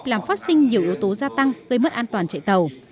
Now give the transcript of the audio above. làm phát sinh nhiều yếu tố gia tăng gây mất an toàn chạy tàu